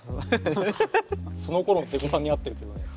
そのころデコさんに会ってるけどね